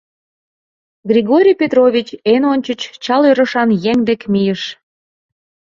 Григорий Петрович эн ончыч чал ӧрышан еҥ дек мийыш: